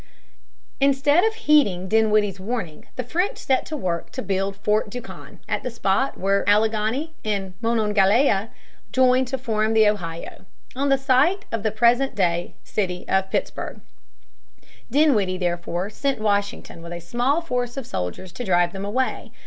Instead of heeding Dinwiddie's warning, the French set to work to build Fort Duquesne (Dü kan') at the spot where the Alleghany and Monongahela join to form the Ohio, on the site of the present city of Pittsburg. Dinwiddie therefore sent Washington with a small force of soldiers to drive them away.